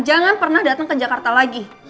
jangan pernah datang ke jakarta lagi